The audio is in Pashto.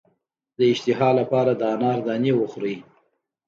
د اشتها لپاره د انار دانې وخورئ